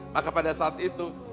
maka pada saat itu